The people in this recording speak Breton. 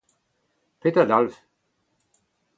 Petra a dalv ?